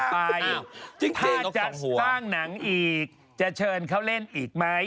ถ้าจะตั้งหนังอีกจะเชิญเค้าเล่นอีกไหม